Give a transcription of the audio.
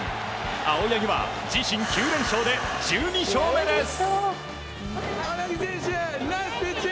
青柳は自身９連勝で１２勝目です。